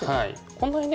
こんなにね。